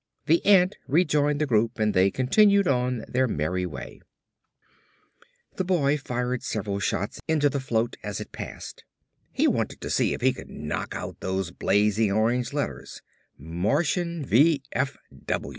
The ant rejoined the group and they continued on their merry way. The boy fired several shots into the float as it passed. He wanted to see if he could knock out those blazing orange letters: MARTIAN V.